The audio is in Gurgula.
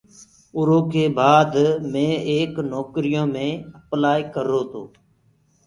اُرو ڪي بآد مي ايڪ نوڪريٚ يو مي اپلآئي ڪررو تو۔